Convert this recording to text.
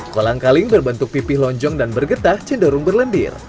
kolang kaling berbentuk pipih lonjong dan bergetak cenderung berlendir